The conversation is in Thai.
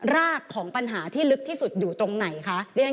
รากของปัญหาที่ลึกที่สุดอยู่ตรงไหนคะ